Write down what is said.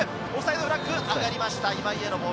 オフサイドフラッグが上がりました。